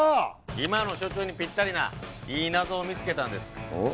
今の所長にぴったりないい謎を見つけたんですおっ